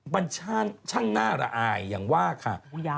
มันช่างช่างหน้าระอายอย่างว่าค่ะ